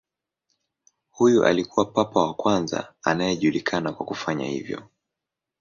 Huyu alikuwa papa wa kwanza anayejulikana kwa kufanya hivyo.